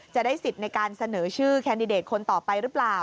จะได้สิทธิ์ในการเสนอชื่อแคนดิเดตคนต่อไปหรือเปล่า